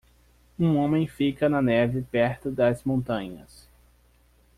Um homem fica na neve perto das montanhas.